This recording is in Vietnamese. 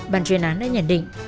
bàn chuyên án đã nhận định